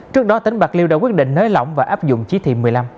trước đó tỉnh bạc liêu đã quyết định nới lỏng và áp dụng chỉ thị một mươi năm